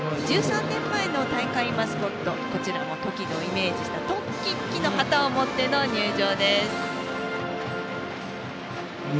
１３年前の大会マスコットこちらもトキをイメージしたトッキッキの旗を持っての入場です。